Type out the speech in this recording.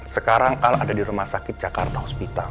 sekarang al ada di rumah sakit jakarta hospital